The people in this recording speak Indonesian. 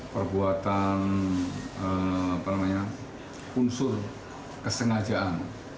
perbuatan unsur kesengajaan